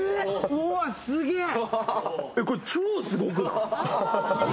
うわっすげええっこれ超すごくない？